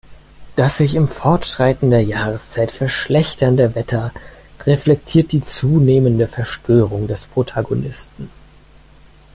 Das sich im Fortschreiten der Jahreszeit verschlechternde Wetter reflektiert die zunehmende Verstörung des Protagonisten.